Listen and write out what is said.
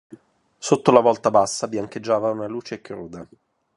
Sotto la volta bassa biancheggiava una luce cruda.